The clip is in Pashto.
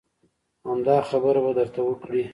همدا خبره به درته وکړي.